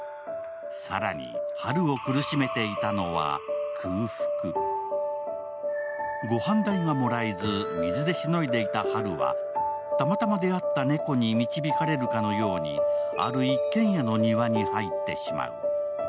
更に、波留を苦しめていたのは空腹ご飯代がもらえず、水でしのいでいた波留は、たまたま出会った猫に導かれるかのようにある一軒家の庭に入ってしまう。